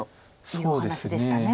そうですね。